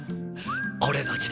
俺の時代。